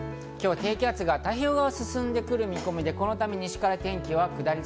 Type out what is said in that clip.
低気圧が太平洋側を進んでくる見込みで、このため西から天気は下り坂。